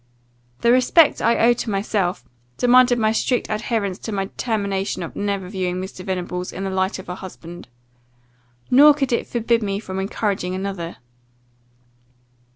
The respect I owe to myself, demanded my strict adherence to my determination of never viewing Mr. Venables in the light of a husband, nor could it forbid me from encouraging another.